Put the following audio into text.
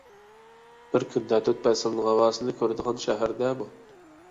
بىر كۈندە تۆت پەسىلنىڭ ھاۋاسىنى كۆرىدىغان شەھەر-دە بۇ!